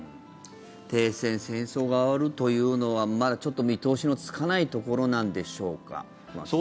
停戦戦争が終わるというのはまだ見通しのつかないところなんでしょうか。